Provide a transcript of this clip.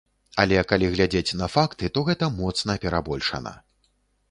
Але калі глядзець на факты, то гэта моцна перабольшана.